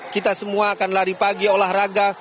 kita semua akan lari pagi olahraga